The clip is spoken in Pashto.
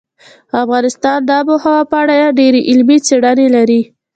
افغانستان د آب وهوا په اړه ډېرې علمي څېړنې لري.